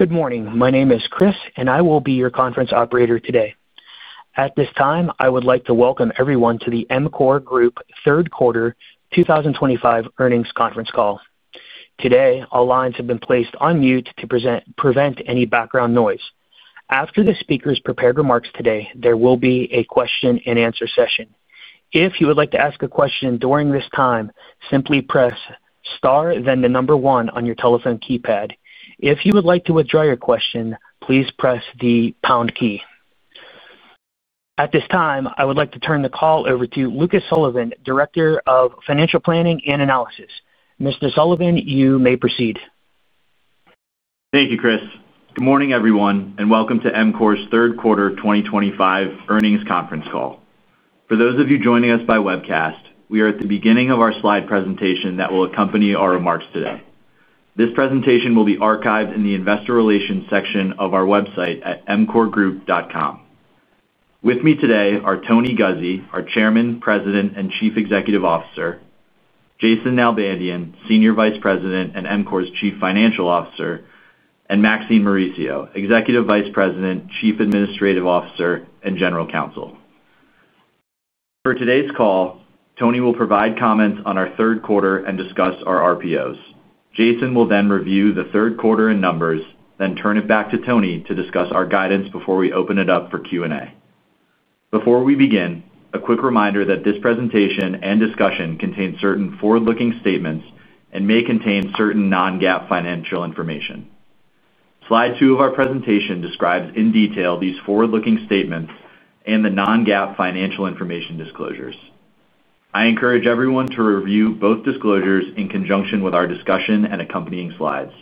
Good morning. My name is Chris and I will be your conference operator today. At this time, I would like to welcome everyone to the EMCOR Group third quarter 2025 earnings conference call. All lines have been placed on mute to prevent any background noise. After the speakers' prepared remarks today, there will be a question and answer session. If you would like to ask a question during this time, simply press star, then the number one on your telephone keypad. If you would like to withdraw your question, please press the pound key. At this time, I would like to turn the call over to Lucas Sullivan, Director of Financial Planning and Analysis. Mr. Sullivan, you may proceed. Thank you, Chris. Good morning everyone and welcome to EMCOR's third quarter 2025 earnings conference call. For those of you joining us by webcast, we are at the beginning of our slide presentation that will accompany our remarks today. This presentation will be archived in the Investor Relations section of our website at emcorgroup.com. With me today are Tony Guzzi, our Chairman, President and Chief Executive Officer, Jason Nalbandian, Senior Vice President and EMCOR's Chief Financial Officer, and Maxine Mauricio, Executive Vice President, Chief Administrative Officer and General Counsel. For today's call, Tony will provide comments on our third quarter and discuss our RPOs. Jason will then review the third quarter and numbers, then turn it back to Tony to discuss our guidance before we open it up for Q&A. Before we begin, a quick reminder that this presentation and discussion contain certain forward-looking statements and may contain certain non-GAAP financial information. Slide two of our presentation describes in detail these forward-looking statements and the non-GAAP financial information disclosures. I encourage everyone to review both disclosures in conjunction with our discussion and accompanying slides.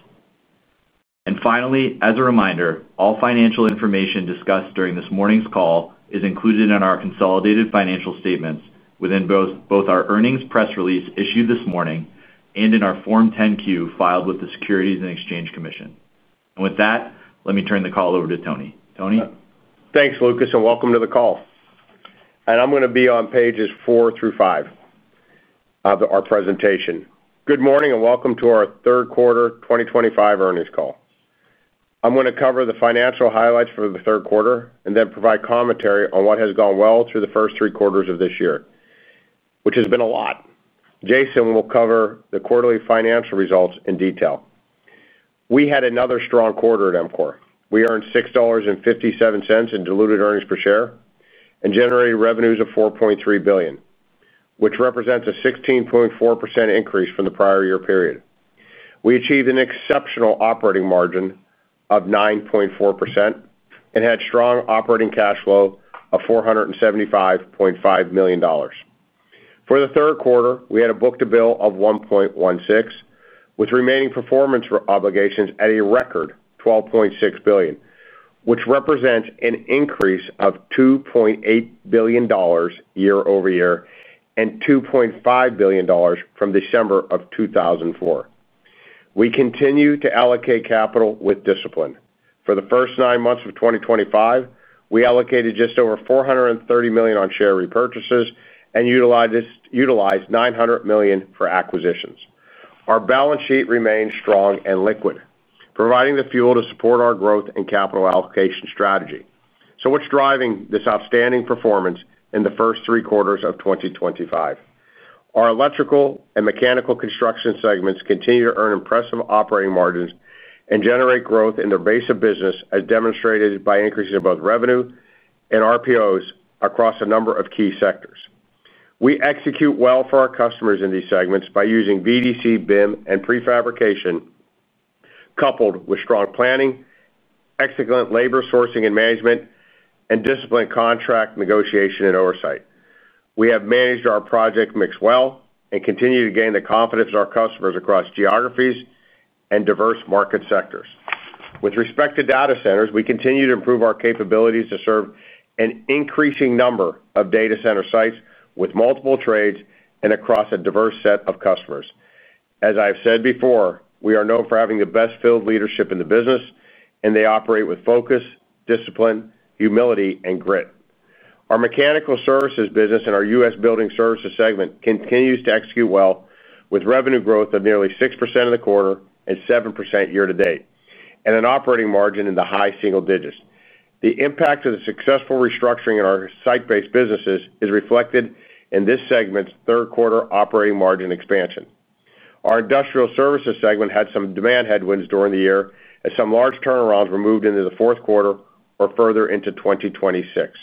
Finally, as a reminder, all financial information discussed during this morning's call is included in our consolidated financial statements within both our earnings press release issued this morning and in our Form 10-Q filed with the Securities and Exchange Commission. With that, let me turn the call over to Tony. Thanks Lucas and welcome to the call. I'm going to be on pages four through five of our presentation. Good morning and welcome to our third quarter 2025 earnings call. I'm going to cover the financial highlights for the third quarter and then provide commentary on what has gone well through the first three quarters of this year, which has been a lot. Jason will cover the quarterly financial results in detail. We had another strong quarter at EMCOR. We earned $6.57 in diluted earnings per share and generated revenues of $4.3 billion, which represents a 16.4% increase from the prior year period. We achieved an exceptional operating margin of 9.4% and had strong operating cash flow of $475.5 million. For the third quarter, we had a Book to Bill of 1.16 with Remaining Performance Obligations at a record $12.6 billion, which represents an increase of $2.8 billion year-over-year and $2.5 billion from December of 2004. We continue to allocate capital with discipline. For the first nine months of 2025, we allocated just over $430 million on share repurchases and utilized $900 million for acquisitions. Our balance sheet remains strong and liquid, providing the fuel to support our growth and capital allocation strategy. What's driving this outstanding performance in the first three quarters of 2025? Our electrical and mechanical construction segments continue to earn impressive operating margins and generate growth in their base of business as demonstrated by increasing both revenue and RPOs across a number of key sectors. We execute well for our customers in these segments by using VDC, BIM, and prefabrication, coupled with strong planning, excellent labor sourcing and management, and disciplined contract negotiation and oversight. We have managed our project mix well and continue to gain the confidence of our customers across geographies and diverse market sectors. With respect to data centers, we continue to improve our capabilities to serve an increasing number of data center sites with multiple trades and across a diverse set of customers. As I have said before, we are known for having the best field leadership in the business and they operate with focus, discipline, humility, and grit. Our mechanical services business in our U.S. Building Services segment continues to execute well with revenue growth of nearly 6% in the quarter and 7% year to date and an operating margin in the high single digits. The impact of the successful restructuring in our site-based businesses is reflected in this segment's third quarter operating margin expansion. Our Industrial Services segment had some demand headwinds during the year as some large turnarounds were moved into the fourth quarter or further into 2026.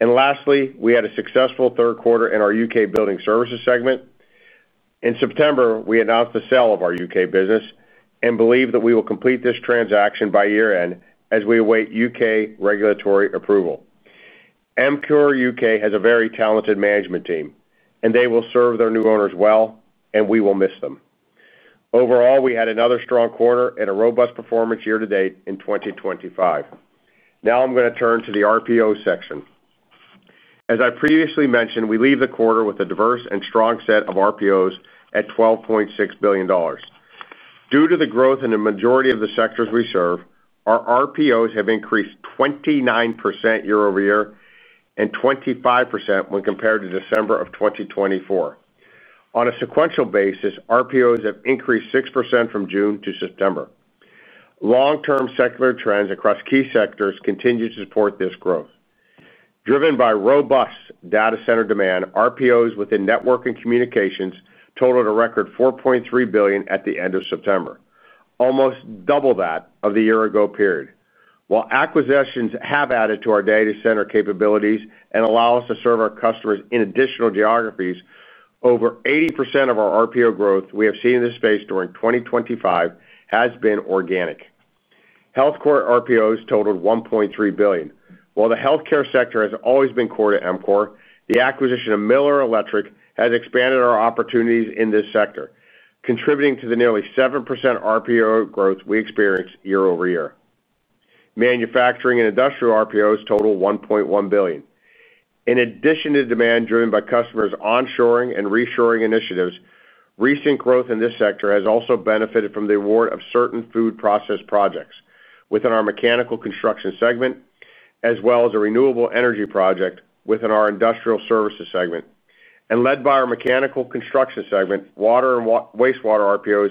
Lastly, we had a successful third quarter in our U.K. Building Services segment. In September, we announced the sale of our U.K. business and believe that we will complete this transaction by year end as we await U.K. regulatory approval. EMCOR U.K. has a very talented management team and they will serve their new owners well and we will miss them. Overall, we had another strong quarter and a robust performance year to date in 2025. Now I'm going to turn to the RPO section. As I previously mentioned, we leave the quarter with a diverse and strong set of RPOs at $12.6 billion. Due to the growth in the majority of the sectors we serve, our RPOs have increased 29% year-over-year and 25% when compared to December of 2024. On a sequential basis, RPOs have increased 6% from June to September. Long-term secular trends across key sectors continue to support this growth, driven by robust data center demand. RPOs within network and communications totaled a record $4.3 billion at the end of September, almost double that of the year-ago period. While acquisitions have added to our data center capabilities and allow us to serve our customers in additional geographies, over 80% of our RPO growth we have seen in this space during 2025 has been organic. Healthcare RPOs totaled $1.3 billion. While the healthcare sector has always been core to EMCOR, the acquisition of Miller Electric has expanded our opportunities in this sector, contributing to the nearly 7% RPO growth we experienced year-over-year. Manufacturing and industrial RPOs total $1.1 billion. In addition to demand driven by customers' onshoring and reshoring initiatives, recent growth in this sector has also benefited from the award of certain food process projects within our mechanical construction segment as well as a renewable energy project within our Industrial Services segment and led by our mechanical construction segment. Water and wastewater RPOs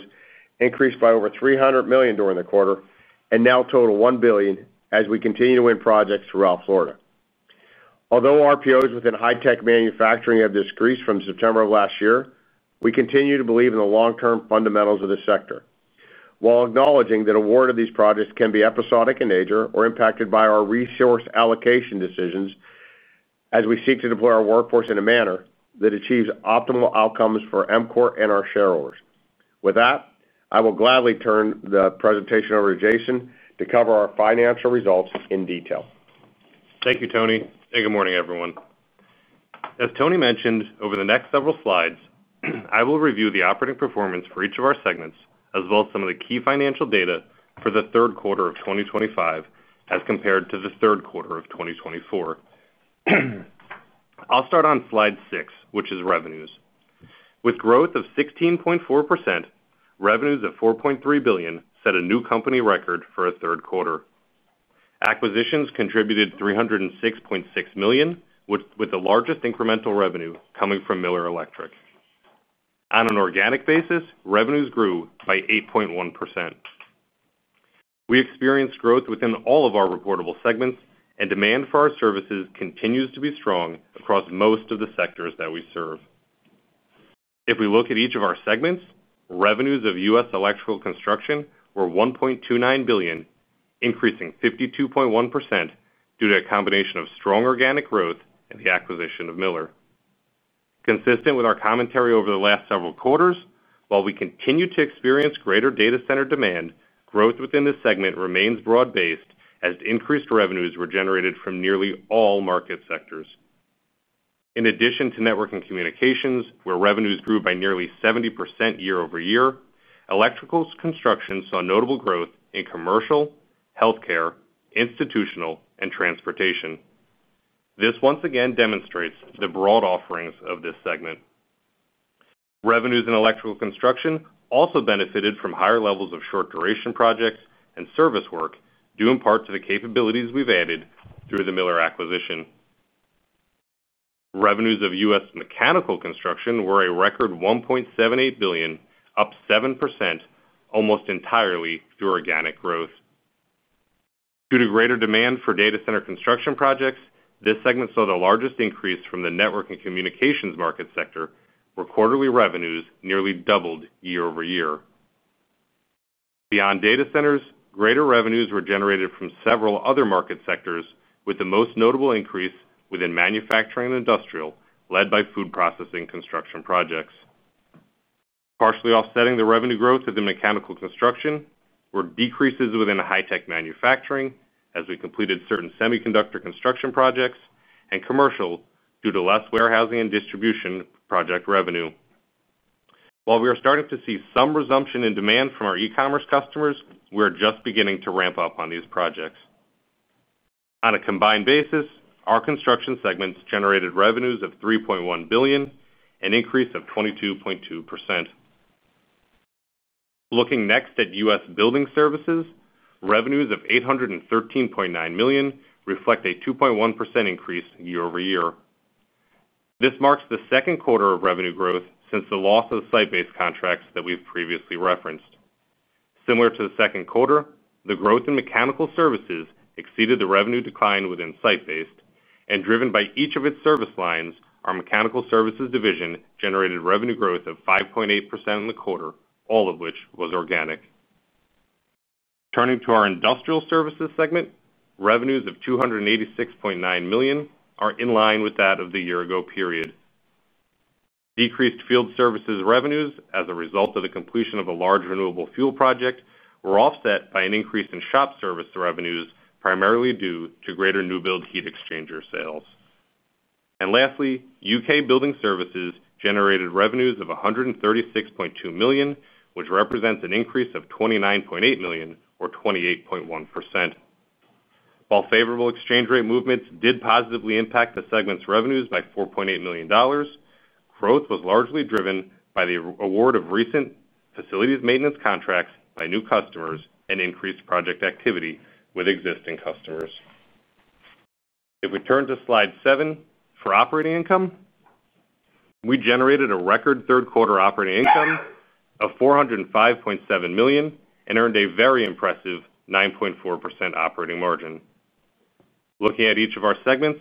increased by over $300 million during the quarter and now total $1 billion as we continue to win projects throughout Florida. Although RPOs within high tech manufacturing have decreased from September of last year, we continue to believe in the long term fundamentals of this sector, while acknowledging that award of these projects can be episodic in nature or impacted by our resource allocation decisions as we seek to deploy our workforce in a manner that achieves optimal outcomes for EMCOR and our shareholders. With that, I will gladly turn the presentation over to Jason to cover our financial results in detail. Thank you, Tony, and good morning, everyone. As Tony mentioned, over the next several slides I will review the operating performance for each of our segments as well as some of the key financial data for the third quarter of 2025 as compared to the third quarter of 2024. I'll start on Slide 6, which is revenues with growth of 16.4%. Revenues of $4.3 billion set a new company record for a third quarter. Acquisitions contributed $306.6 million, with the largest incremental revenue coming from Miller Electric. On an organic basis, revenues grew by 8.1%. We experienced growth within all of our reportable segments, and demand for our services continues to be strong across most of the sectors that we serve. If we look at each of our segments, revenues of U.S. electrical construction were $1.29 billion, increasing 52.1% due to a combination of strong organic growth and the acquisition of Miller. Consistent with our commentary over the last several quarters, while we continue to experience greater data center demand, growth within this segment remains broad based as increased revenues were generated from nearly all market sectors. In addition to network and communications, where revenues grew by nearly 70% year-over-year, electrical construction saw notable growth in commercial, healthcare, institutional, and transportation. This once again demonstrates the broad offerings of this segment. Revenues in electrical construction also benefited from higher levels of short duration projects and service work due in part to the capabilities we've added through the Miller acquisition. Revenues of U.S. mechanical construction were a record $1.78 billion, up 7% almost entirely through organic growth due to greater demand for data center construction projects. This segment saw the largest increase from the network and communications market sector where quarterly revenues nearly doubled year-over-year. Beyond data centers, greater revenues were generated from several other market sectors with the most notable increase within manufacturing and industrial led by food processing construction projects. Partially offsetting the revenue growth of the mechanical construction were decreases within high tech manufacturing as we completed certain semiconductor construction projects and commercial due to less warehousing and distribution project revenue. While we are starting to see some resumption in demand from our e-commerce customers, we are just beginning to ramp up on these projects. On a combined basis, our construction segments generated revenues of $3.1 billion, an increase of 22.2%. Looking next at U.S. building services, revenues of $813.9 million reflect a 2.1% increase year-over-year. This marks the second quarter of revenue growth since the loss of site-based contracts that we've previously referenced. Similar to the second quarter, the growth in mechanical services exceeded the revenue decline within site-based and driven by each of its service lines. Our mechanical services division generated revenue growth of 5.8% in the quarter, all of which was organic. Turning to our industrial services segment, revenues of $286.9 million are in line with that of the year ago period. Decreased field services revenues as a result of the completion of a large renewable fuel project were offset by an increase in shop service revenues, primarily due to greater new build heat exchanger sales. Lastly, U.K. building services generated revenues of $136.2 million, which represents an increase of $29.8 million or 28.1%. Favorable exchange rate movements did positively impact the segment's revenues by $4.8 million. Growth was largely driven by the award of recent facilities maintenance contracts by new customers and increased project activity with existing customers. If we turn to Slide seven for operating income, we generated a record third quarter operating income of $405.7 million and earned a very impressive 9.4% operating margin. Looking at each of our segments,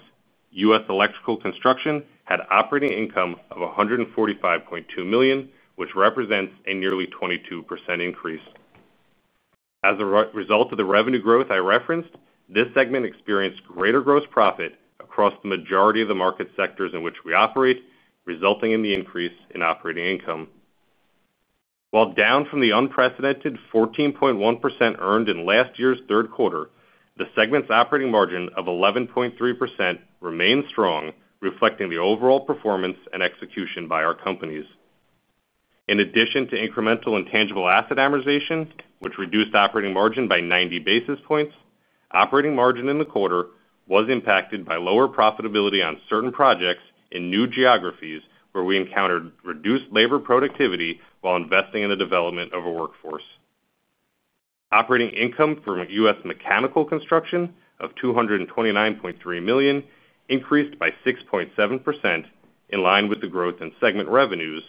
U.S. Electrical Construction had operating income of $145.2 million, which represents a nearly 22% increase. As a result of the revenue growth I referenced, this segment experienced greater gross profit across the majority of the market sectors in which we operate, resulting in the increase in operating income. While down from the unprecedented 14.1% earned in last year's third quarter, the segment's operating margin of 11.3% remains strong, reflecting the overall performance and execution by our companies. In addition to incremental intangible asset amortization, which reduced operating margin by 90 basis points, operating margin in the quarter was impacted by lower profitability on certain projects in new geographies where we encountered reduced labor productivity while investing in the development of a workforce. Operating income from U.S. Mechanical Construction of $229.3 million increased by 6.7% in line with the growth in segment revenues,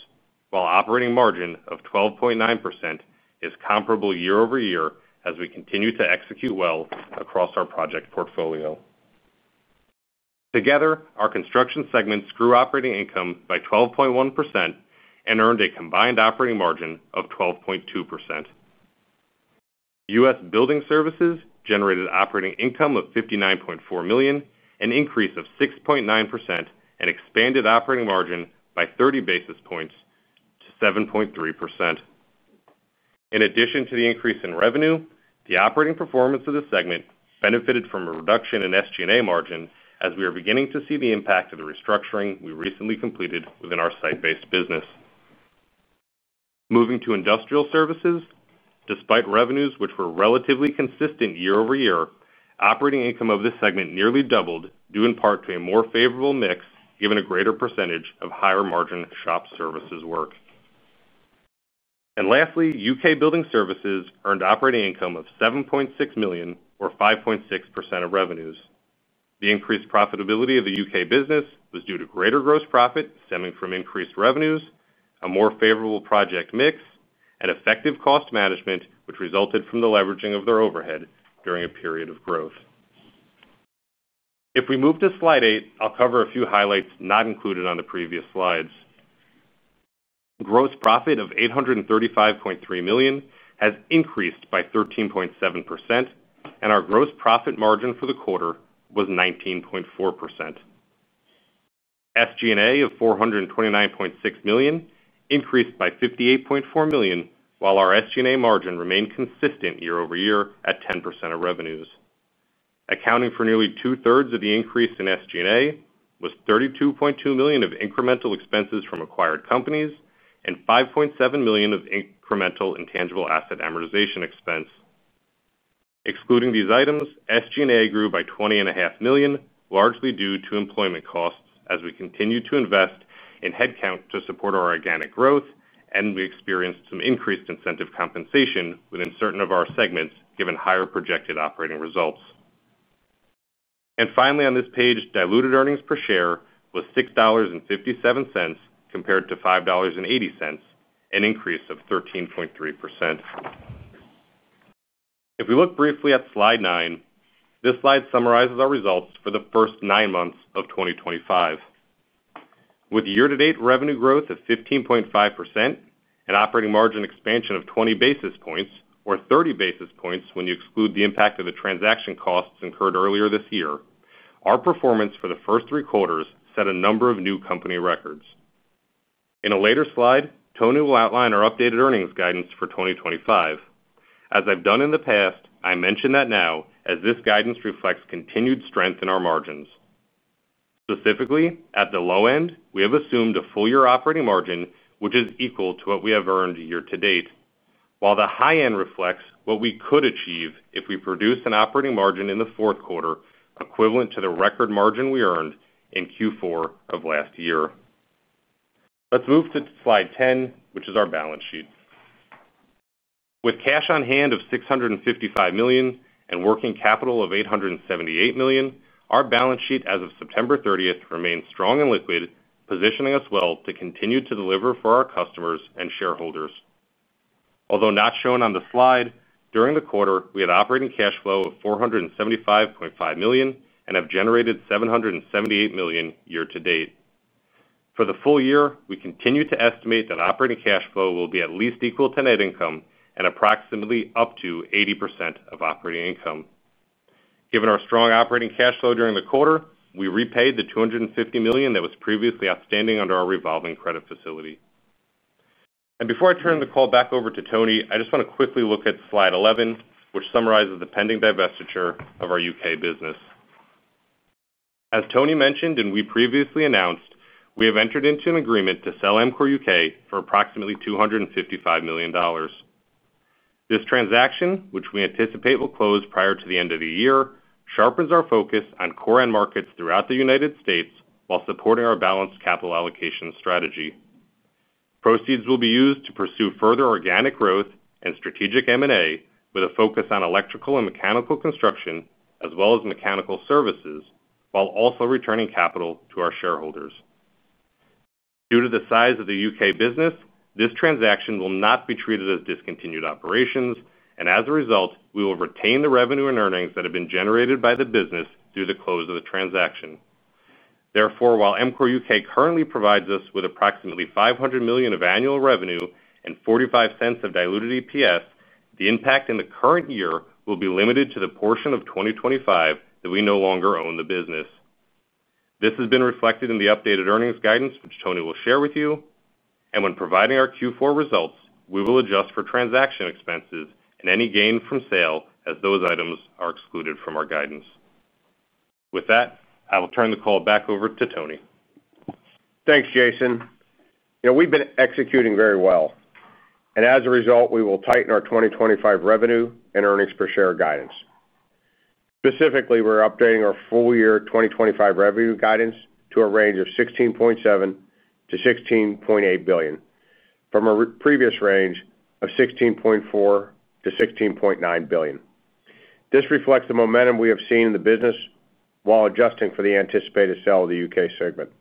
while operating margin of 12.9% is comparable year-over-year as we continue to execute well across our project portfolio. Together, our construction segments grew operating income by 12.1% and earned a combined operating margin of 12.2%. U.S. Building Services generated operating income of $59.4 million, an increase of 6.9%, and expanded operating margin by 30 basis points to 7.3%. In addition to the increase in revenue, the operating performance of the segment benefited from a reduction in SG&A margin as we are beginning to see the impact of the restructuring we recently completed within our site-based business. Moving to Industrial Services. Despite revenues which were relatively consistent year-over-year, operating income of this segment nearly doubled due in part to a more favorable mix given a greater percentage of higher margin shop services work. Lastly, U.K. Building Services earned operating income of $7.6 million or 5.6% of revenues. The increased profitability of the U.K. business was due to greater gross profit stemming from increased revenues, a more favorable project mix, and effective cost management which resulted from the leveraging of their overhead during a period of growth. If we move to slide eight, I'll cover a few highlights not included on the previous slides. Gross profit of $835.3 million has increased by 13.7% and our gross profit margin for the quarter was 19.4%. SG&A of $429.6 million increased by $58.4 million, while our SG&A margin remained consistent year-over-year at 10% of revenues. Accounting for nearly two thirds of the increase in SG&A was $32.2 million of incremental expenses from acquired companies and $5.7 million of incremental intangible asset amortization expense. Excluding these items, SG&A grew by $20.5 million largely due to employment costs as we continue to invest in headcount to support our organic growth and we experienced some increased incentive compensation within certain of our segments given higher projected operating results. Finally, on this page, diluted earnings per share was $6.57 compared to $5.80, an increase of 13.3%. If we look briefly at slide nine, this slide summarizes our results for the first nine months of 2025 with year to date revenue growth of 15.5% and operating margin expansion of 20 basis points or 30 basis points when you exclude the impact of the transaction costs incurred earlier this year. Our performance for the first three quarters set a number of new company records. In a later slide, Tony will outline our updated earnings guidance for 2025. As I've done in the past, I mention that now as this guidance reflects continued strength in our margins. Specifically, at the low end we have assumed a full year operating margin which is equal to what we have earned year to date, while the high end reflects what we could achieve if we produced an operating margin in the fourth quarter equivalent to the record margin we earned in Q4 of last year. Let's move to slide 10, which is our balance sheet with cash on hand of $655 million and working capital of $878 million. Our balance sheet as of September 30th remains strong and liquid, positioning us well to continue to deliver for our customers and shareholders. Although not shown on the slide, during the quarter we had operating cash flow of $475.5 million and have generated $778 million year to date. For the full year, we continue to estimate that operating cash flow will be at least equal to net income and approximately up to 80% of operating income. Given our strong operating cash flow during the quarter, we repaid the $250 million that was previously outstanding under our revolving credit facility. Before I turn the call back over to Tony, I just want to quickly look at slide 11, which summarizes the pending divestiture of our U.K. business. As Tony mentioned and we previously announced, we have entered into an agreement to sell EMCOR U.K. for approximately $255 million. This transaction, which we anticipate will close prior to the end of the year, sharpens our focus on core end markets throughout the U.S. while supporting our balanced capital allocation strategy. Proceeds will be used to pursue further organic growth and strategic M&A with a focus on electrical and mechanical construction as well as mechanical services, while also returning capital to our shareholders. Due to the size of the U.K. business, this transaction will not be treated as discontinued operations and as a result we will retain the revenue and earnings that have been generated by the business through the close of the transaction. Therefore, while EMCOR U.K. currently provides us with approximately $500 million of annual revenue and $0.45 of diluted EPS, the impact in the current year will be limited to the portion of 2025 that we no longer own the business. This has been reflected in the updated earnings guidance which Tony will share with you and when providing our Q4 results, we will adjust for transaction expenses and any gain from sale as those items are excluded from our guidance. With that, I will turn the call back over to Tony. Thanks, Jason. We've been executing very well, and as a result, we will tighten our 2025 revenue and earnings per share guidance. Specifically, we're updating our full year 2025 revenue guidance to a range of $16.7 billion-$16.8 billion from a previous range of $16.4 billion-$16.9 billion. This reflects the momentum we have seen in the business while adjusting for the anticipated sale of the U.K. segment.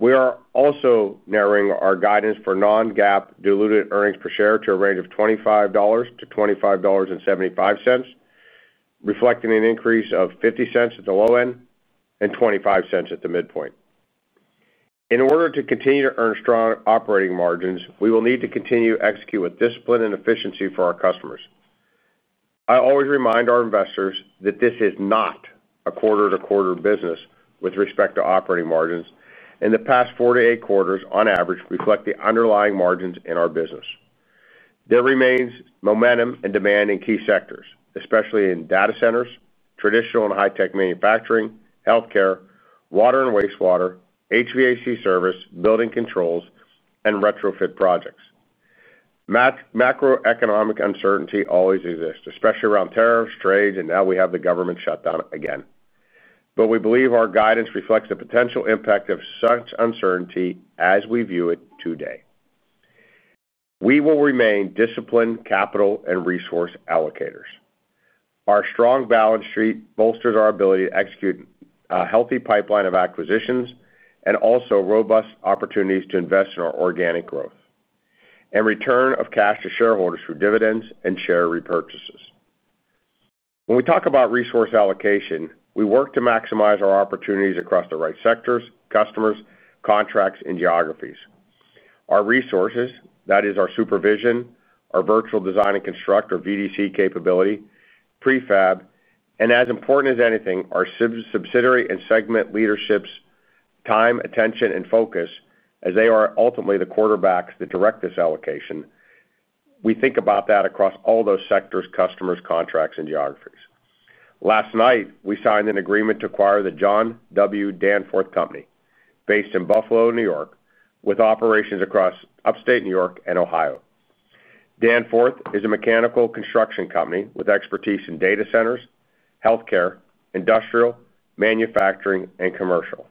We are also narrowing our guidance for non-GAAP diluted earnings per share to a range of $25-$25.75, reflecting an increase of $0.50 at the low end and $0.25 at the midpoint. In order to continue to earn strong operating margins, we will need to continue to execute with discipline and efficiency for our customers. I always remind our investors that this is not a quarter-to-quarter business with respect to operating margins, and the past four to eight quarters on average reflect the underlying margins. In our business, there remains momentum and demand in key sectors, especially in data centers, traditional and high tech, manufacturing, health care, water and wastewater, HVAC service, building controls, and retrofit projects. Macroeconomic uncertainty always exists, especially around tariffs, trade, and now we have the government shutdown again. We believe our guidance reflects the potential impact of such uncertainty as we view it today. We will remain disciplined capital and resource allocators. Our strong balance sheet bolsters our ability to execute a healthy pipeline of acquisitions and also robust opportunities to invest in our organic growth and return of cash to shareholders through dividends and share repurchases. When we talk about resource allocation, we work to maximize our opportunities across the right sectors, customer service, customers, contracts, and geographies. Our resources, that is, our supervision, our virtual design and construction or VDC capability, prefabrication, and as important as anything, our subsidiary and segment leadership's time, attention, and focus, as they are ultimately the quarterbacks that direct this allocation. We think about that across all those sectors, customers, contracts, and geographies. Last night, we signed an agreement to acquire the John W. Danforth Company based in Buffalo, New York, with operations across upstate New York and Ohio. Danforth is a mechanical construction company with expertise in data centers, health care, industrial manufacturing, and commercial.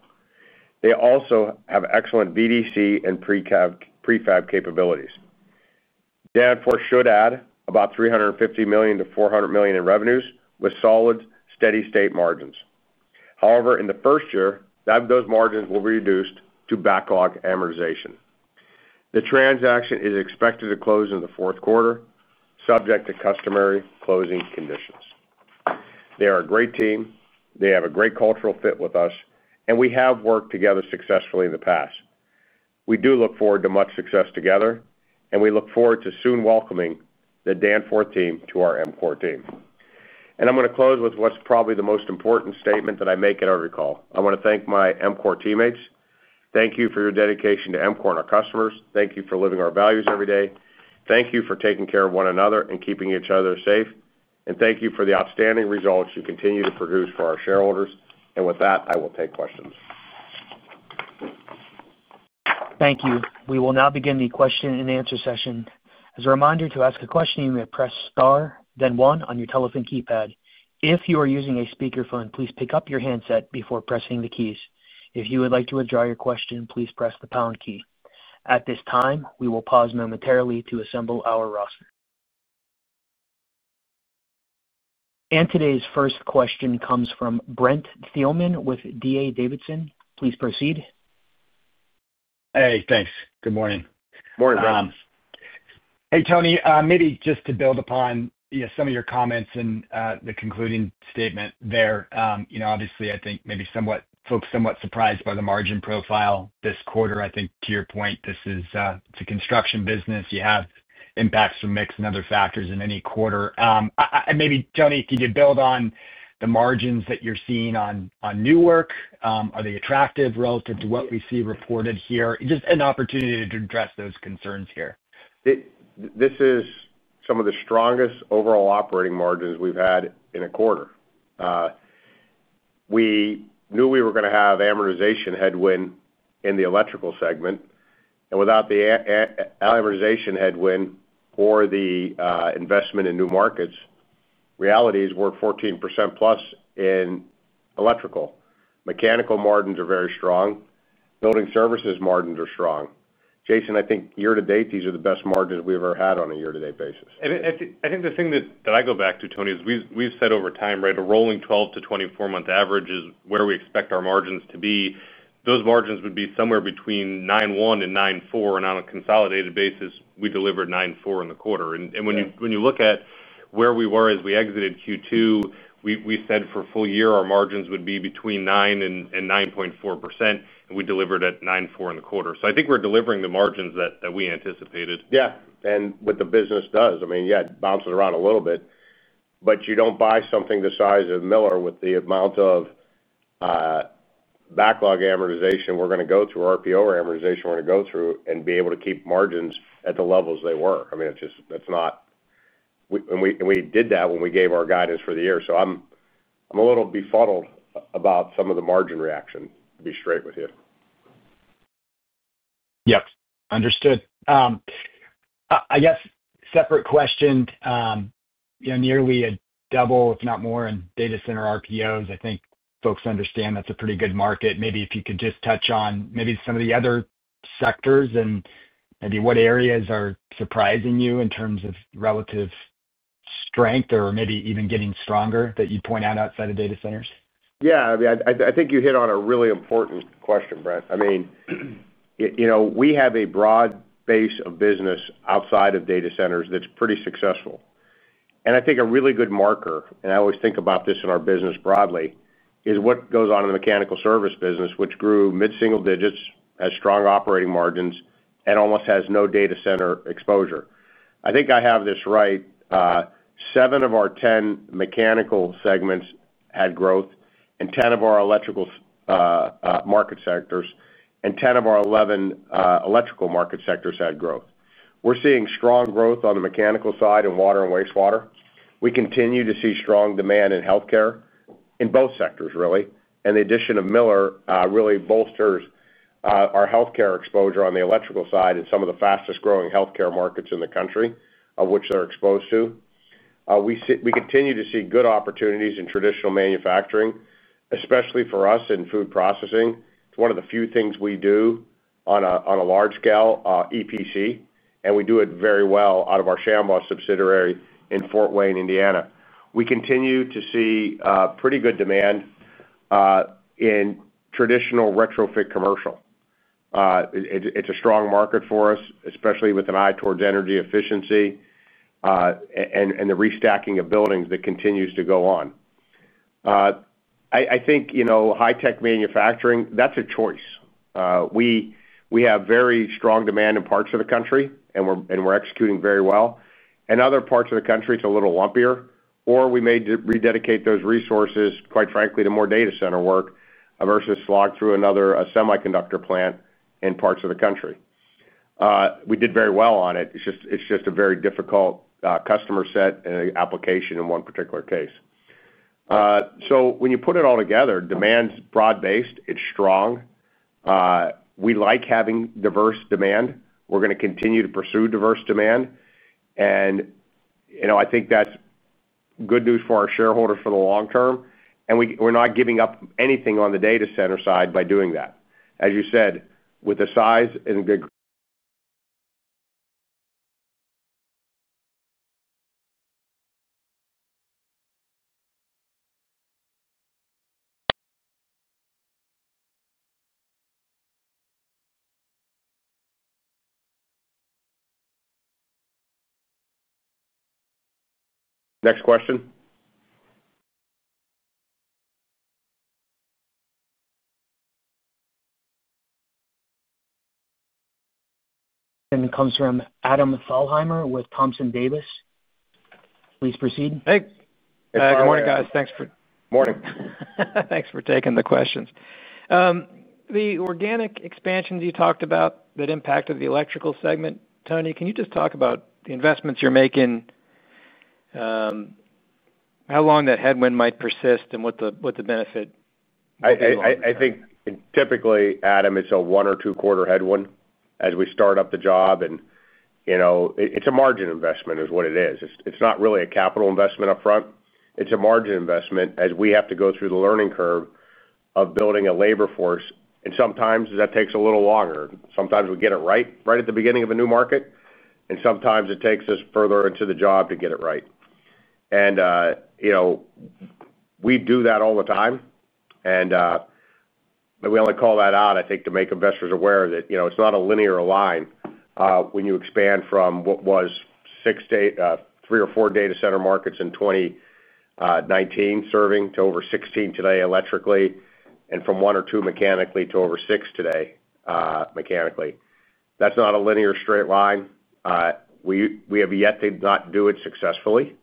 They also have excellent VDC and prefabrication capabilities. Danforth should add about $350 million-$400 million in revenues with solid steady state margins. However, in the first year those margins will be reduced due to backlog amortization. The transaction is expected to close in the fourth quarter, subject to customary closing conditions. They are a great team, they have a great cultural fit with us, and we have worked together successfully in the past. We do look forward to much success together and we look forward to soon welcoming the Danforth team to our EMCOR team. I'm going to close with what's probably the most important statement that I make at every call. I want to thank my EMCOR teammates. Thank you for your dedication to EMCOR and our customers. Thank you for living our values every day. Thank you for taking care of one another and keeping each other safe. Thank you for the outstanding results you continue to produce for our shareholders. With that I will take questions. Thank you. We will now begin the question and answer session. As a reminder, to ask a question, you may press star, then one on your telephone keypad. If you are using a speakerphone, please pick up your handset before pressing the keys. If you would like to withdraw your question, please press the pound key at this time. We will pause momentarily to assemble our roster, and today's first question comes from Brent Thielman with D.A. Davidson. Please proceed. Hey, thanks. Good morning. Morning, Brent. Hey, Tony. Maybe just to build upon some of your comments and the concluding statement there. Obviously, I think maybe somewhat folks somewhat surprised by the margin profile this quarter. I think to your point, this is a construction business. You have impacts from mix and other factors in any quarter. Maybe Tony, could you build on the margins that you're seeing on new work, are they attractive relative to what we see reported here? Just an opportunity to address those concerns here. This is some of the strongest overall operating margins we've had in a quarter. We knew we were going to have amortization headwind in the electrical segment. Without the amortization headwind or the investment in new markets, reality is we're 14%+ in electrical. Mechanical margins are very strong. Building services margins are strong. Jason, I think year to date, these are the best margins we've ever had on a year to date basis. I think the thing that I go back to, Tony, is we've said over time, right, a rolling 12 to 24 month average is where we expect our margins to be. Those margins would be somewhere between 9.1% and 9.4%. On a consolidated basis, we delivered 9.4% in the quarter. When you look at where we were as we exited Q2, we said for full year our margins would be between 9% and 9.4%. We delivered at 9.4% in the quarter. I think we're delivering the margins that we anticipated. Yes, what the business does, I mean, yes, it bounces around a little bit, but you don't buy something the size of Miller with the amount of backlog amortization we're going to go through, RPO amortization we're going to go through, and be able to keep margins at the levels they were. I mean, it's just that's not. We did that when we gave our guidance for the year. I'm a little befuddled about some of the margin reaction, to be straight with you. Yes, understood. Separate question. Nearly a double, if not more in data center RPOs. I think folks understand that's a pretty good market. Maybe if you could just touch on maybe some of the other sectors and what areas are surprising you in terms of relative strength or maybe even getting stronger that you point out outside of data centers. Yeah, I think you hit on a really important question, Brent. I mean, you know, we have a broad base of business outside of data centers that's pretty successful and I think a really good marker, and I always think about this in our business broadly, is what goes on in the mechanical service business, which grew mid single digits, has strong operating margins, and almost has no data center exposure. I think I have this right. Seven of our ten mechanical segments had growth and ten of our eleven electrical market sectors had growth. We're seeing strong growth on the mechanical side in water and wastewater. We continue to see strong demand in healthcare in both sectors, really. The addition of Miller really bolsters our healthcare exposure on the electrical side in some of the fastest growing healthcare markets in the country, which they're exposed to. We continue to see good opportunities in traditional manufacturing, especially for us in food processing. It's one of the few things we do on a large scale EPC and we do it very well out of our Shambaugh subsidiary in Fort Wayne, Indiana. We continue to see pretty good demand in traditional retrofit commercial. It's a strong market for us, especially with an eye towards energy efficiency and the restocking of buildings that continues to go on. I think high tech manufacturing, that's a choice. We have very strong demand in parts of the country and we're executing very well. In other parts of the country, it's a little lumpier or we may rededicate those resources, quite frankly, to more data center work versus slog through another semiconductor plant in parts of the country. We did very well on it. It's just a very difficult customer set and application in one particular case. When you put it all together, demand is broad based, it's strong. We like having diverse demand. We're going to continue to pursue diverse demand and I think that's good news for our shareholders for the long term. We're not giving up anything on the data center side by doing that, as you said, with the size and good. Next question. Comes from Adam Thalhimer with Thompson Davis. Please proceed. Thanks. Good morning, guys. Thanks for. Morning. Thanks for taking the questions. The organic expansions you talked about that impacted the electrical segment, Tony, can you just talk about the investments you're making. How long that headwin might persist, and what the benefit? I think typically, Adam, it's a one or two quarter headwind as we start up the job. It's a margin investment is what it is. It's not really a capital investment upfront. It's a margin investment as we have to go through the learning curve of building a labor force. Sometimes that takes a little longer. Sometimes we get it right at the beginning of a new market and sometimes it takes us further into the job to get it right. We do that all the time and we only call that out, I think, to make investors aware that it's not a linear line. When you expand from what was six to eight, three or four data center markets in 2019 serving to over 16 today electrically and from one or two mechanically to over six today mechanically, that's not a linear straight line. We have yet to not do it successfully.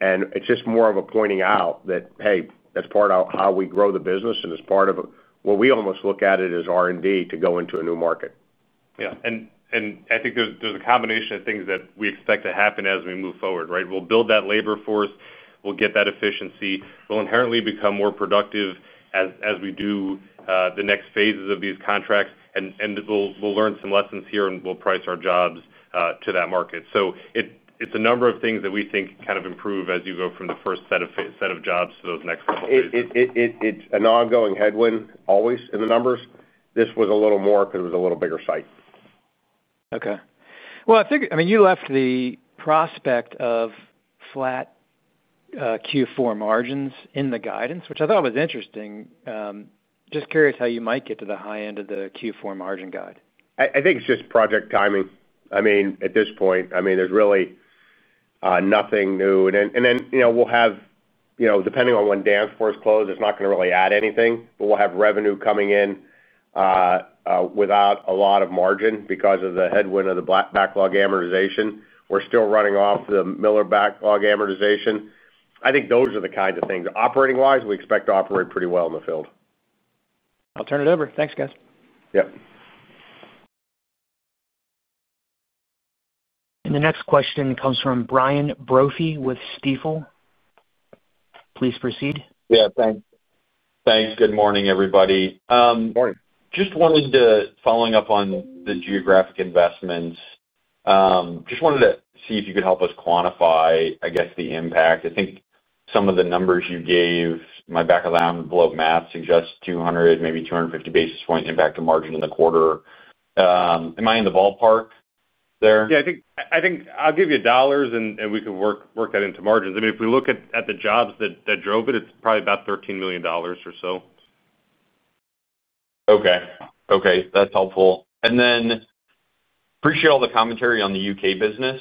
It's just more of a pointing out that, hey, that's part of how we grow the business and it's part of what we almost look at as R&D to go into a new market. I think there's a combination of things that we expect to happen as we move forward. We'll build that labor force, we'll get that efficiency, we'll inherently become more productive as we do the next phases of these contracts, and we'll learn some lessons here. We'll price our jobs to that market. It's a number of things that we think kind of improve as you go from the first set of jobs to those next couple. It's an ongoing headwind, always in the numbers. This was a little more because it was a little bigger site. Ok, I think, I mean you left the prospect of flat Q4 margins in the guidance, which I thought was interesting. Just curious how you might get to the high end of the Q4 margin guide. I think it's just project timing. At this point, there's really nothing new. We'll have, depending on when Danforth closed, it's not going to really add anything, but we'll have revenue coming in without a lot of margin because of the headwind of the backlog amortization. We're still running off the Miller backlog amortization. I think those are the kinds of things operating wise, we expect to operate pretty well in the field. I'll turn it over. Thanks guys. Yep. The next question comes from Brian Brophy with Stifel. Please proceed. Yeah, thanks. Thanks. Good morning, everybody. Just wanted to follow up on the geographic investments. Just wanted to see if you could help us quantify the impact. I think some of the numbers you gave, my back of the math suggests 200, maybe 250 basis point impact of margin in the quarter. Am I in the ballpark there? Yeah, I think I'll give you dollars and we can work that into margins. I mean, if we look at the jobs that drove it, it's probably about $13 million or so. Okay, that's helpful. I appreciate all the commentary on the U.K. business.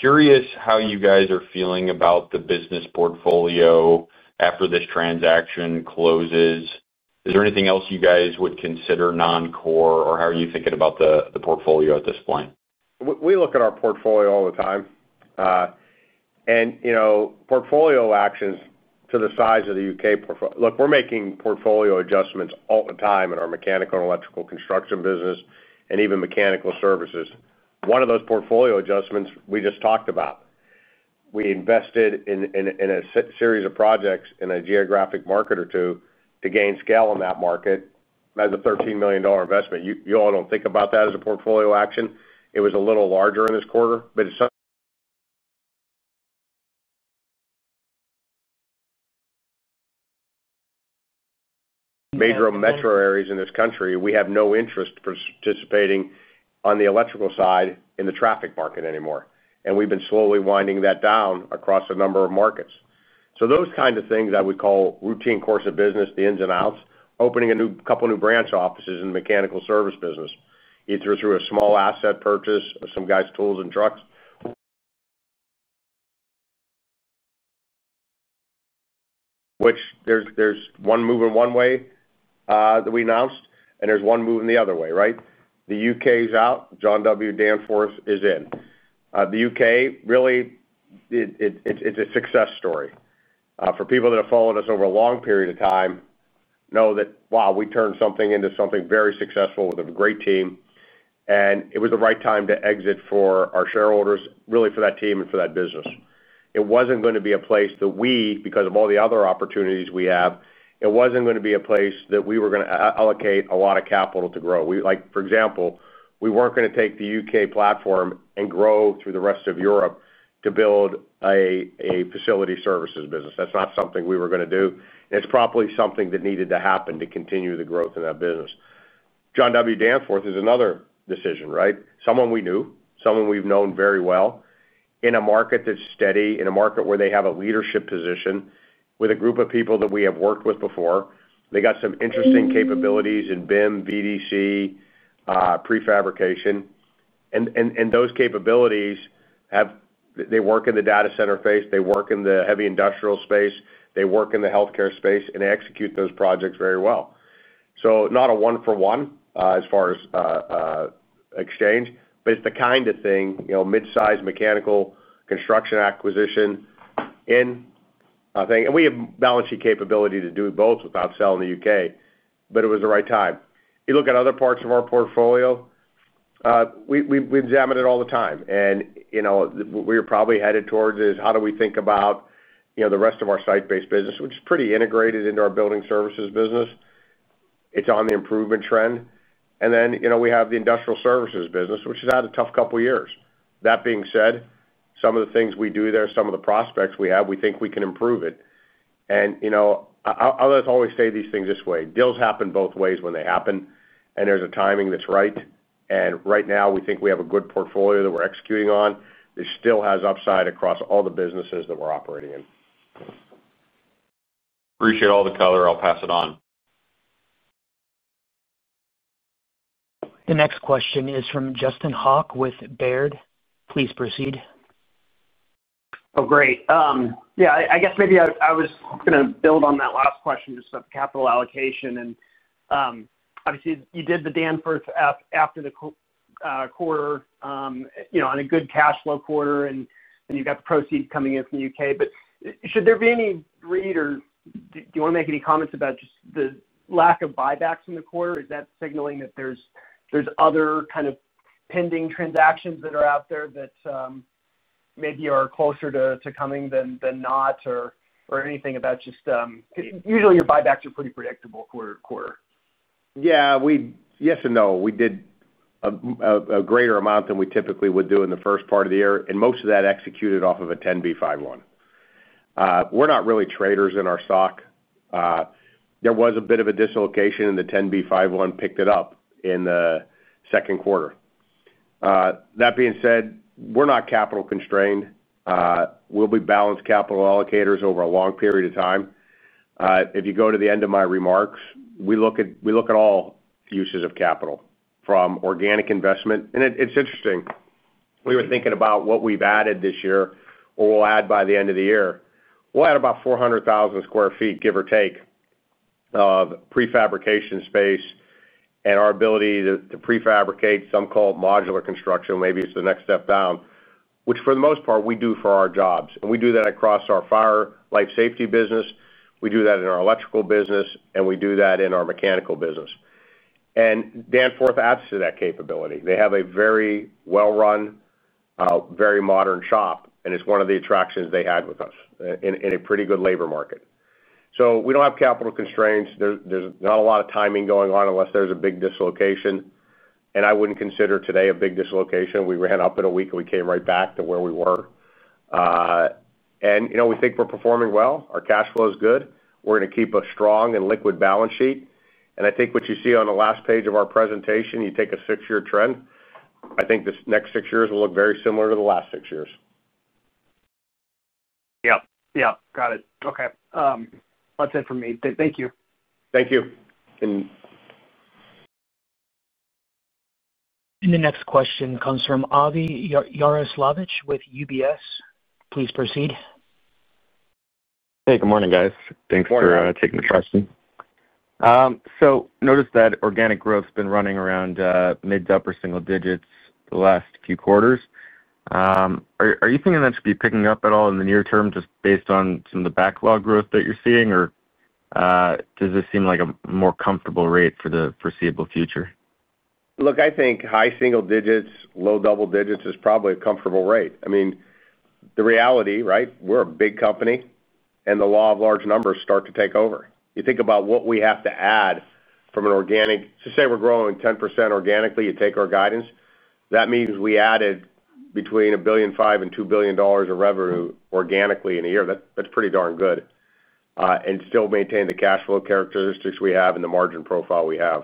Curious how you guys are feeling about the business portfolio after this transaction closes. Is there anything else you guys would consider non-core or how are you thinking about the portfolio at this point? We look at our portfolio all the time and portfolio actions to the size of the U.K. portfolio. Look, we're making portfolio adjustments all the time in our mechanical and electrical construction business and even mechanical services. One of those portfolio adjustments we just talked about, we invested in a series of projects in a geographic market or two to gain scale in that market as a $13 million investment. You all don't think about that as a portfolio action. It was a little larger in this quarter, but it's major metro areas in this country. We have no interest participating on the electrical side in the traffic market anymore. We've been slowly winding that down across a number of markets. Those kind of things I would call routine course of business, the ins and outs, opening a couple new branch offices in the mechanical service business, either through a small asset purchase, some guys' tools and trucks, which there's one move in one way that we announced and there's one moving the other way. The U.K. is out. John W. Danforth is in. The U.K., really, it's a success story for people that have followed us over a long period of time know that. Wow. We turned something into something very successful with a great team, and it was the right time to exit for our shareholders. For that team and for that business, it wasn't going to be a place that we, because of all the other opportunities we have, it wasn't going to be a place that we were going to allocate a lot of capital to grow. For example, we weren't going to take the U.K. platform and grow through the rest of Europe to build a facility services business. That's not something we were going to do. It's probably something that needed to happen to continue the growth in that business. John W. Danforth is another decision. Right. Someone we knew, someone we've known very well in a market that's steady, in a market where they have a leadership position with a group of people that we have worked with before. They got some interesting capabilities in BIM, VDC, prefabrication and those capabilities. They work in the data center space, they work in the heavy industrial space, they work in the healthcare space and execute those projects very well. Not a one for one as far as exchange, but it's the kind of thing, midsize mechanical construction acquisition in, and we have balance sheet capability to do both without selling the U.K. It was the right time. You look at other parts of our portfolio, we examine it all the time and we are probably headed towards how do we think about the rest of our site-based business, which is pretty integrated into our building services business? It's on the improvement trend. We have the industrial services business, which has had a tough couple of years. That being said, some of the things we do there, some of the prospects we have, we think we can improve it. I'll always say these things this way. Deals happen both ways when they happen and there's a timing that's right. Right now we think we have a good portfolio that we're executing on. This still has upside across all the businesses that we're operating in. Appreciate all the color. I'll pass it on. The next question is from Justin Hauke with Baird. Please proceed. Oh great. Yeah, I guess maybe I was going to build on that last question just about the capital allocation and obviously you did the Danforth after the quarter on a good cash flow quarter, and you've got the proceeds coming in from the U.K., but should there be any read or do you want to make any comments about just the lack of buybacks in the quarter? Is that signaling that there's other kind of pending transactions that are out there that maybe are closer to coming than not or anything about just usually your buybacks are pretty predictable quarter to quarter? Yes and no. We did a greater amount than we typically would do in the first part of the year, and most of that executed off of a 10b5-1. We're not really traders in our stock. There was a bit of a dislocation, and the 10b5-1 picked it up in the second quarter. That being said, we're not capital constrained. We'll be balanced capital allocators over a long period of time. If you go to the end of my remarks, we look at all uses of capital from organic investment, and it's interesting, we were thinking about what we've added this year or we'll add by the end of the year. We'll add about 400,000 sq ft, give or take, of prefabrication space and our ability to prefabricate. Some call it modular construction. Maybe it's the next step down, which for the most part we do for our jobs. We do that across our fire life safety business, our electrical business, and our mechanical business. Danforth adds to that capability. They have a very well run, very modern shop, and it's one of the attractions they had with us in a pretty good labor market. We don't have capital constraints. There's not a lot of timing going on unless there's a big dislocation. I wouldn't consider today a big dislocation. We ran up in a week and we came right back to where we were. We think we're performing well. Our cash flow is good. We're going to keep a strong and liquid balance sheet. I think what you see on the last page of our presentation, you take a six year trend, I think this next six years will look very similar to the last six years. Yep, yep, got it. Okay, that's it for me. Thank you. Thank you. The next question comes from Avi Jaroslawicz with UBS. Please proceed. Hey, good morning guys. Thanks for taking the question. I notice that organic growth has been running around mid to upper single digits the last few quarters. Are you thinking that should be picking up at all in the near term just based on some of the backlog growth that you're seeing, or does this seem like a more comfortable rate for the foreseeable future? Look, I think high single digits, low double digits is probably a comfortable rate. I mean, the reality, right, we're a big company and the law of large numbers starts to take over. You think about what we have to add from an organic to say we're growing 10% organically. You take our guidance, that means we added between $1.5 billion and $2 billion of revenue organically in a year. That's pretty darn good. We still maintain the cash flow characteristics we have and the margin profile we have.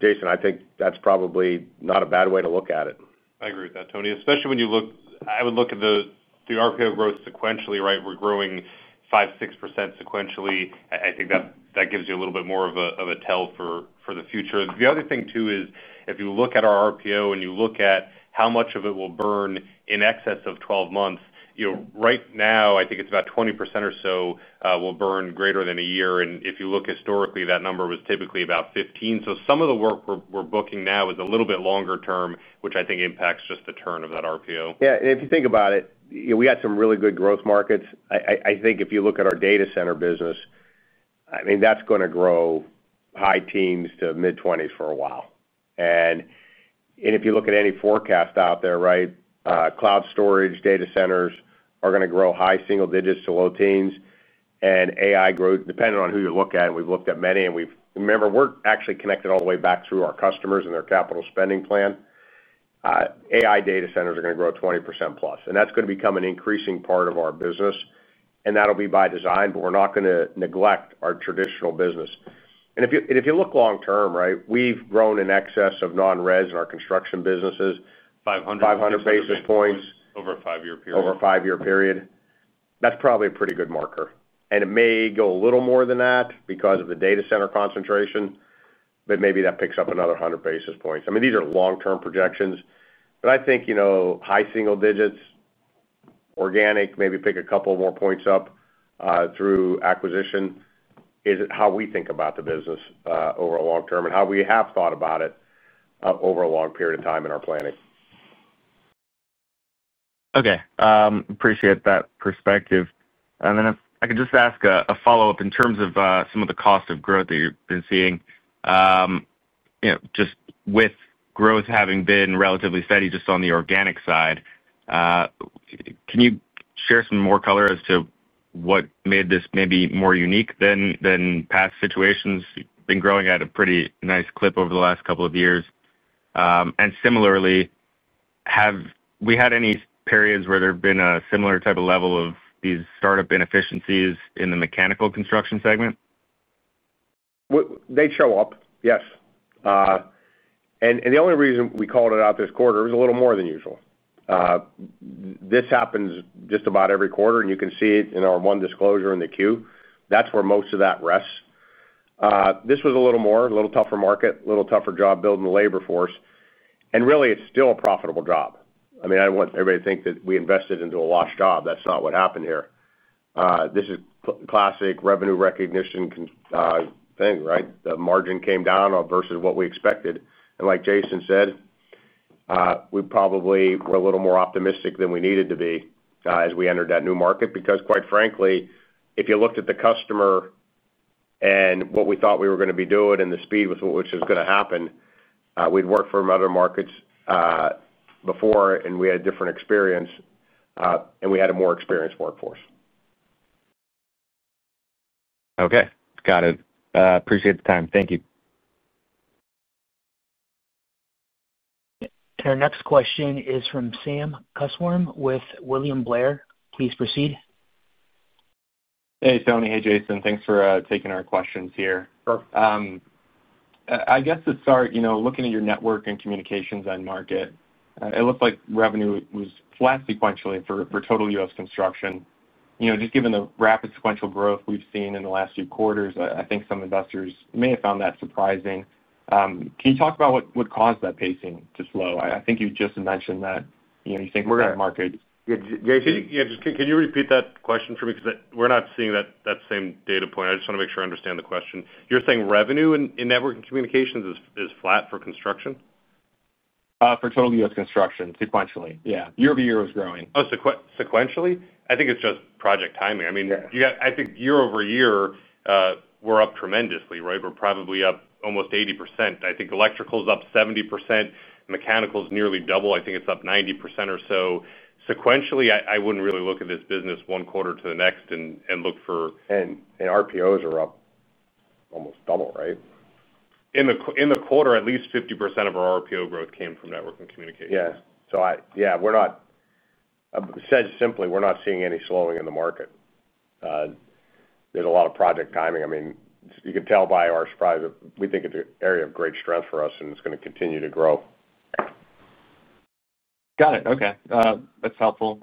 Jason, I think that's probably not a bad way to look at it. I agree with that, Tony, especially when you look, I would look at the RPO growth sequentially. We're growing 5%-6% sequentially. I think that gives you a little bit more of a tell for the future. The other thing too is if you look at our RPO and you look at how much of it will burn in excess of 12 months, right now I think it's about 20% or so will burn greater than a year. If you look historically, that number was typically about 15%. Some of the work we're booking now is a little bit longer term, which I think impacts just the turn of that RPO. Yeah, if you think about it, we had some really good growth markets. I think if you look at our data center business, that's going to grow high teens to mid-20s for a while. If you look at any forecast out there, cloud storage data centers are going to grow high single digits to low teens and AI grow depending on who you look at, and we've looked at many and we've, remember we're actually connected all the way back through our customers and their capital spending plan. AI data centers are going to grow 20%+ and that's going to become an increasing part of our business. That'll be by design, but we're not going to neglect our traditional business. If you look long term, right, we've grown in excess of non res in our construction businesses. 500 basis points over a five year period. Over a five year period, that's probably a pretty good marker and it may go a little more than that because of the data center concentration, but maybe that picks up another 100 basis points. I mean these are long term projections but I think, you know, high single digits organic, maybe pick a couple more points up through acquisition is how we think about the business over a long term and how we have thought about it over a long period of time in our planning. Okay, appreciate that perspective. Could I just ask a follow up in terms of some of the cost of growth that you've been seeing, just with growth having been relatively steady on the organic side? Can you share some more color as to what made this maybe more unique than past situations? Been growing at a pretty nice clip over the last couple of years. Similarly, have we had any periods where there've been a similar type of level of these startup inefficiencies in the mechanical construction segment? They show up. Yes. The only reason we called it out this quarter is a little more than usual. This happens just about every quarter, and you can see it in our one disclosure in the Q. That's where most of that rests. This was a little more, a little tougher market, a little tougher job building the labor force, and really it's still a profitable job. I mean, I want everybody to think that we invested into a lost job. That's not what happened here. This is classic revenue recognition thing. Right? The margin came down versus what we expected. Like Jason said, we probably were a little more optimistic than we needed to be as we entered that new market. Quite frankly, if you looked at the customer and what we thought we were going to be doing and the speed at which it was going to happen, we'd worked from other markets before and we had different experience and we had a more experienced workforce. Okay, got it. Appreciate the time. Thank you. Our next question is from Sam Kusswurm with William Blair. Please proceed. Hey Tony. Hey Jason. Thanks for taking our questions here. I guess to start, you know, looking at your network and communications end market. It looks like revenue was flat sequentially for total U.S. construction. You know, just given the rapid sequential growth we've seen in the last few quarters, I think some investors may have found that surprising. Can you talk about what caused that pacing to slow? I think you just mentioned that you think we're going to market. Can you repeat that question for me? Because we're not seeing that same data point. I just want to make sure I understand the question. You're saying revenue in Networking Communications is flat for construction? For total U.S. construction, sequentially, yeah. Year-over-year was growing sequentially. I think it's just project timing. I mean, I think year-over-year we're up tremendously. Right. We're probably up almost 80%. I think electrical is up 70%. Mechanical is nearly double. I think it's up 90% or so sequentially. I wouldn't really look at this business one quarter to the next and look for RPOs are up almost double, right. In the quarter, at least 50% of our RPO growth came from Networking Communications. Yeah. We're not seeing any slowing in the market. There's a lot of project timing. You can tell by our surprise. We think it's an area of great strength for us and it's going to continue to grow. Got it. Okay, that's helpful.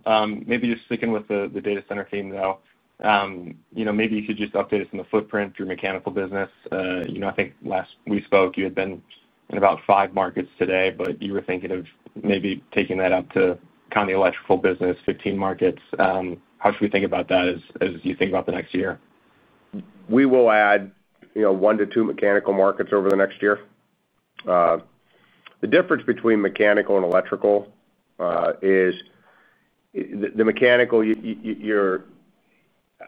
Maybe just sticking with the data center theme, though. Maybe you could just update us on the footprint, your mechanical business. I think last we spoke you had been in about five markets today. You were thinking of maybe taking that up to kind of the electrical business. 15 markets. How should we think about that? As you think about the next year? We will add one to two mechanical markets over the next year. The difference between mechanical and electrical is the mechanical.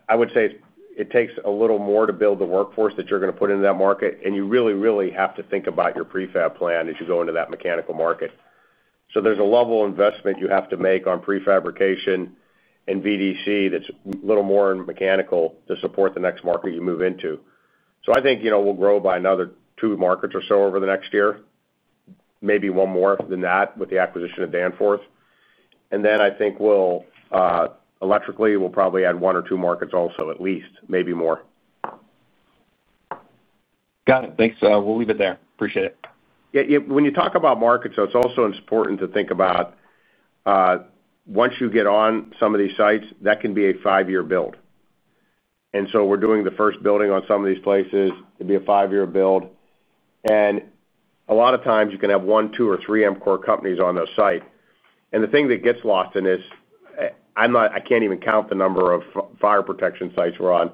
I would say it takes a little more to build the workforce that you're going to put in that market. You really, really have to think about your prefab plan as you go into that mechanical market. There's a level of investment you have to make on prefabrication and VDC that's a little more mechanical to support the next market you move into. I think we'll grow by another two markets or so over the next year, maybe one more than that with the acquisition of Danforth. I think we'll electrically, we'll probably add one or two markets also, at least maybe more. Got it. Thanks. We'll leave it there. Appreciate it. When you talk about markets, it's also important to think about. Once you get on some of these sites, that can be a five year build. We're doing the first building on some of these places, it'd be a five year build. A lot of times you can have 1, 2 or 3 EMCOR companies on those sites. The thing that gets lost in this, I can't even count the number of fire protection sites we're on.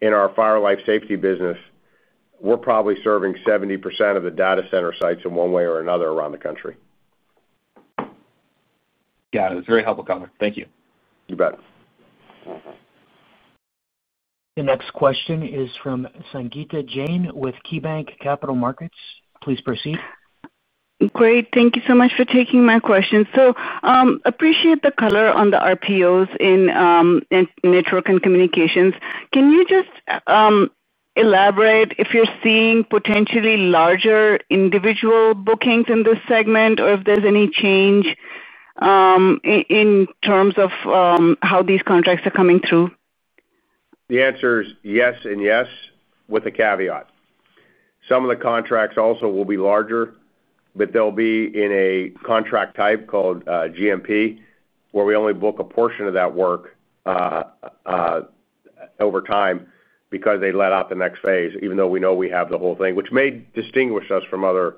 In our fire life safety business, we're probably serving 70% of the data center sites in one way or another around the country. Got it. It was very helpful comment, thank you. You bet. The next question is from Sangita Jain with KeyBanc Capital Markets. Please proceed. Thank you so much for taking my question. I appreciate the color on the RPOs in Network and communications. Can you just elaborate if you're seeing potentially larger individual bookings in this segment or if there's any change in terms of how these contracts are coming through? The answer is yes and yes, with a caveat. Some of the contracts also will be larger, but they'll be in a contract type called GMP where we only book a portion of that work over time because they let out the next phase. Even though we know we have the whole thing, which may distinguish us from other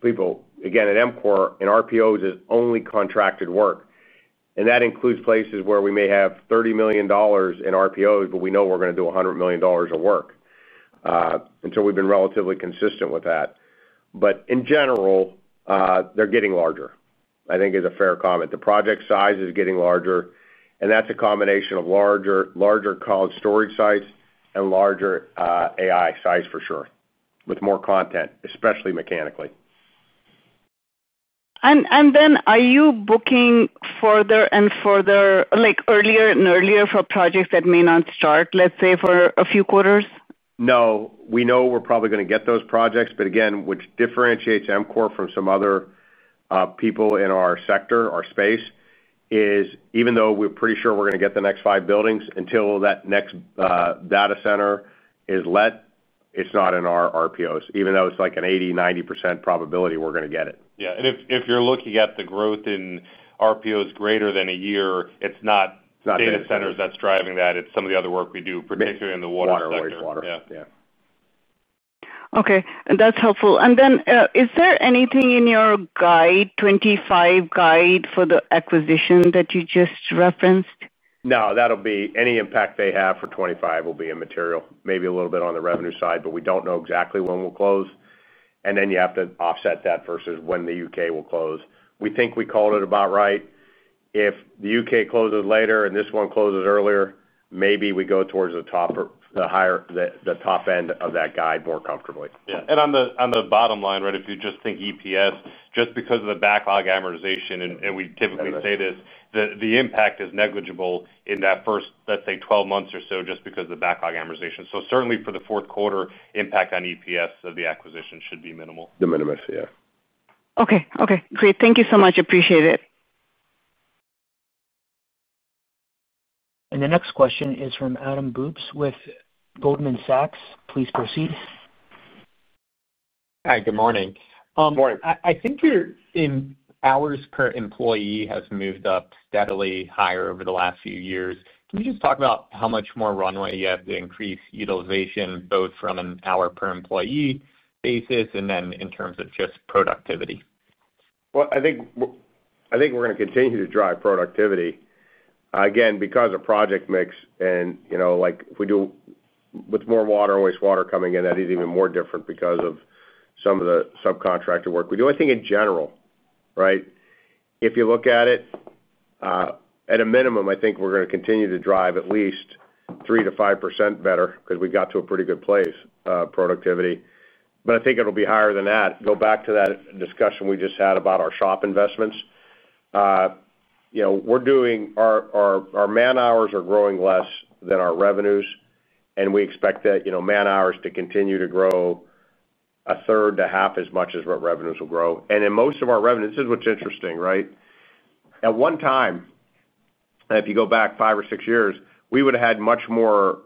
people. Again, at EMCOR in RPOs is only contracted work. That includes places where we may have $30 million in RPOs, but we know we're going to do $100 million of work. We've been relatively consistent with that. In general they're getting larger, I think is a fair comment. The project size is getting larger and that's a combination of larger cloud storage sites and larger AI sites, for sure, with more content, especially mechanically. Are you booking further and further, like earlier and earlier for projects that may not start, let's say, for a few quarters? No, we know we're probably going to get those projects. Again, what differentiates EMCOR from some other people in our sector, our space is even though we're pretty sure we're going to get the next five buildings, until that next data center is let, it's not in our RPOs, even though it's like an 80%-90% probability we're going to get it. If you're looking at the growth in RPOs greater than a year, it's not data centers that's driving that. It's some of the other work we do, particularly in the water, wastewater. Okay, that's helpful. Is there anything in your 2025 guide for the acquisition that you just referenced? No. That'll be any impact they have for 2025 will be immaterial. Maybe a little bit on the revenue side, but we don't know exactly when we'll close. You have to offset that versus when the U.K. will close. We think we called it about right. If the U.K. closes later and this one closes earlier, maybe we go towards the top or the higher, the top end of that guide more comfortably. Yeah. On the bottom line, right, if you just think EPS just because of the backlog amortization, and we typically say this, the impact is negligible in that first, let's say, 12 months or so just because of the backlog amortization. Certainly for the fourth quarter, impact on EPS of the acquisition should be minimal. The minimum, yeah. Okay, great. Thank you so much. Appreciate it. The next question is from Adam Bubes with Goldman Sachs. Please proceed. Hi, good morning. I think your hours per employee has moved up steadily higher over the last few years. Can you just talk about how much more runway you have to increase utilization both from an hour per employee and then in terms of just productivity? I think we're going to continue to drive productivity again because of project mix and, you know, like we do with more water, wastewater coming in, that is even more different because of some of the subcontractor work we do. I think in general, right, if you look at it at a minimum, I think we're going to continue to drive at least 3%-5% better because we got to a pretty good place productivity. I think it will be higher than that. Go back to that discussion we just had about our shop investments. You know, we're doing our man hours are growing less than our revenues, and we expect that, you know, man hours to continue to grow a third to half as much as what revenues will grow. In most of our revenues, this is what's interesting, right, at one time, if you go back five or six years, we would have had much more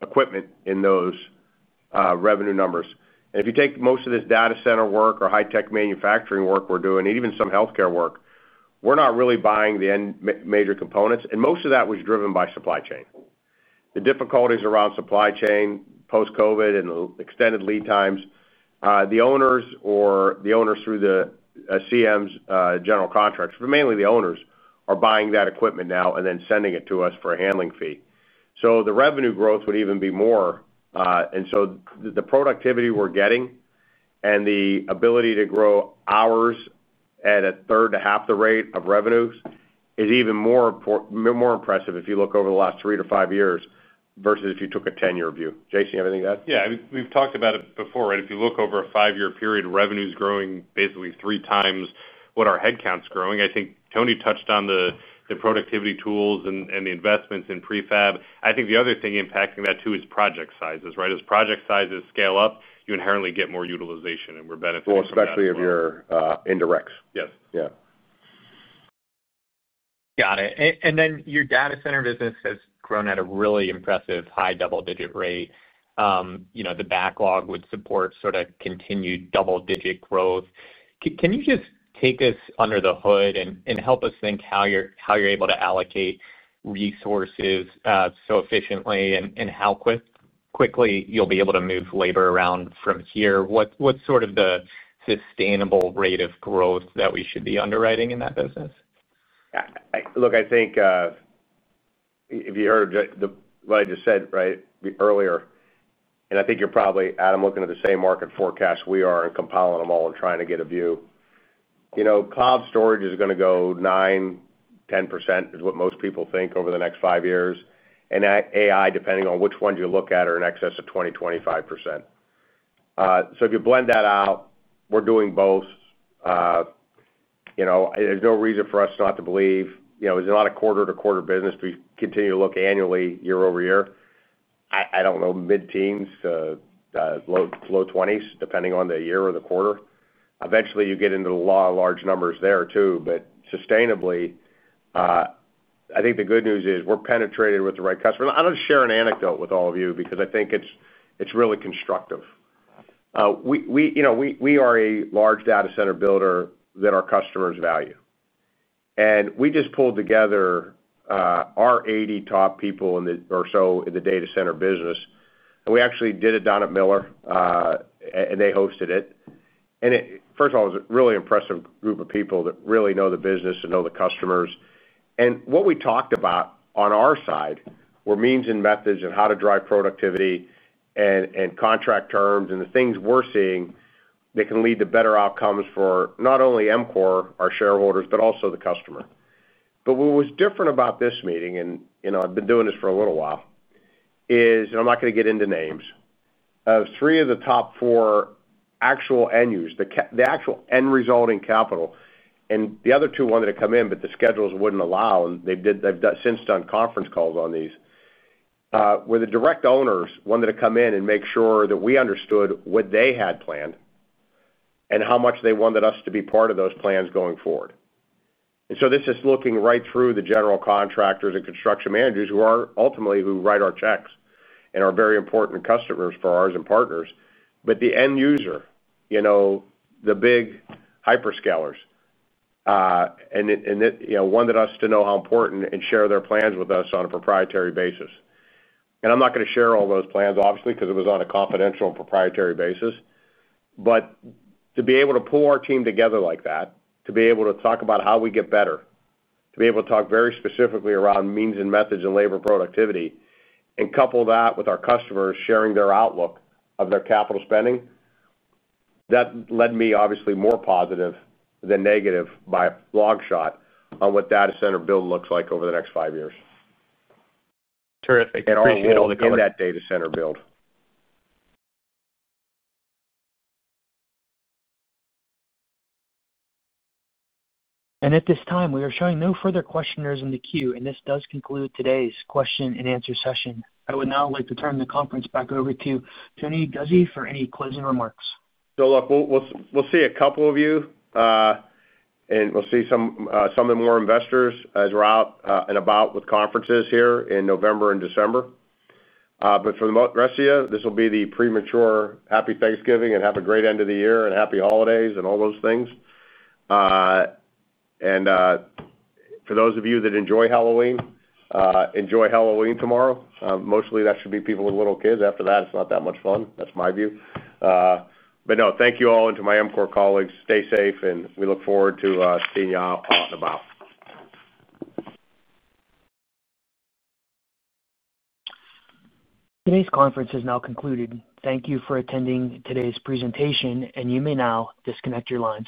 equipment in those revenue numbers. If you take most of this data center work or high tech manufacturing work we're doing, even some healthcare work, we're not really buying the major components. Most of that was driven by supply chain, the difficulties around supply chain post Covid and extended lead times. The owners or the owners through the CMs general contracts, but mainly the owners are buying that equipment now and then sending it to us for a handling fee. The revenue growth would even be more, and the productivity we're getting and the ability to grow hours at a third to half the rate of revenues is even more impressive if you look over the last three to five years versus if you took a ten year view. Jason, do you have anything to add? Yeah, we've talked about it before. If you look over a five-year period, revenue is growing basically three times what our headcount's growing. I think Tony touched on the productivity tools and the investments in prefabrication. I think the other thing impacting that too is project sizes. Right. As project sizes scale up, you inherently get more utilization and more benefit. Especially if you're indirects. Yes. Got it. Your data center business has grown at a really impressive high double-digit rate. The backlog would support sort of continued double-digit growth. Can you just take us under the hood and help us think how you're able to allocate resources so efficiently. How quickly you'll be able to move labor around from here. What's sort of the sustainable rate of growth that we should be underwriting in that business? Look, I think if you heard what I just said earlier and I think you're probably, Adam, looking at the same market forecast we are and compiling them all and trying to get a view. Cloud storage is going to go 9%, 10% is what most people think over the next five years. And AI, depending on which ones you look at, are in excess of 20%, 25%. If you blend that out, we're doing both. There's no reason for us not to believe it's not a quarter to quarter business. We continue to look annually, year-over-year. I don't know, mid teens, low 20s, depending on the year or the quarter. Eventually you get into the law of large numbers there too, but sustainably. I think the good news is we're penetrated with the right customer. I'll just share an anecdote with all of you because I think it's really constructive. We are a large data center builder that our customers value and we just pulled together our 80 top people or so in the data center business and we actually did it down at Miller and they hosted it. First of all, it was a really impressive group of people that really know the business and know the customers. What we talked about on our side were means and methods and how to drive productivity and contract terms and the things we're seeing that can lead to better outcomes for not only EMCOR, our shareholders, but also the customer. What was different about this meeting, and you know, I've been doing this for a little while, is I'm not going to get into names of three of the top four actual end use, the actual end resulting capital. The other two wanted to come in but the schedules wouldn't allow and they've since done conference calls on these where the direct owners wanted to come in and make sure that we understood what they had planned and how much they wanted us to be part of those plans going forward. This is looking right through the general contractors and construction managers who are ultimately who write our checks and are very important customers for ours and partners. The end user, you know, the big hyperscalers, wanted us to know how important and share their plans with us on a proprietary basis. I'm not going to share all those plans obviously because it was on a confidential proprietary basis. To be able to pull our team together like that, to be able to talk about how we get better, to be able to talk very specifically around means and methods and labor productivity and couple that with our customers sharing their outlook of their capital spending, that led me obviously more positive than negative by a long shot on what data center build looks like over the next five years. Terrific in that data center build. At this time, we are showing no further questionnaires in the queue. This does conclude today's question and answer session. I would now like to turn the conference back over to Tony Guzzi for any closing remarks. Look, we'll see a couple of you and we'll see some of the more investors as we're out and about with conferences here in November and December. For the rest of you, this will be the premature Happy Thanksgiving and have a great end of the year and happy holidays and all those things. For those of you that enjoy Halloween, enjoy Halloween tomorrow. Mostly that should be people with little kids. After that it's not that much fun. That's my view. Thank you all and to my EMCOR colleagues, stay safe and we look forward to seeing you out and about. Today's conference has now concluded. Thank you for attending today's presentation, and you may now disconnect your lines.